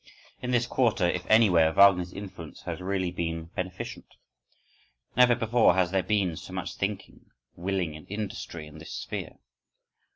In this quarter, if anywhere, Wagner's influence has really been beneficent. Never before has there been so much thinking, willing, and industry in this sphere.